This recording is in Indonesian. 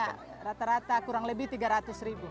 iya rata rata kurang lebih rp tiga ratus